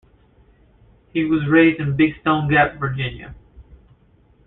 He was raised in Big Stone Gap, Virginia.